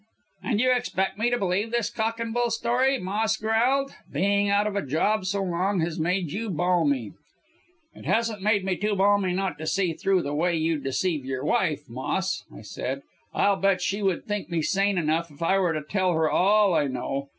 "'And you expect me to believe this cock and bull story,' Moss growled. 'Being out of a job so long has made you balmy.' "'It hasn't made me too balmy not to see through the way you deceive your wife, Moss,' I said. 'I'll bet she would think me sane enough if I were to tell her all I know.